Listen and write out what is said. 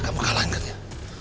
kamu kalahkan dia